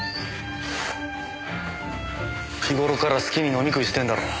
日頃から好きに飲み食いしてんだろう。